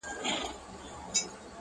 ځکه نه خېژي په تله برابر د جهان یاره ,